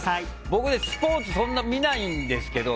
僕、スポーツそんなに見ないんですけど